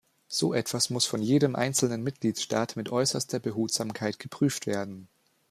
So etwas muss von jedem einzelnen Mitgliedstaat mit äußerster Behutsamkeit geprüft werden.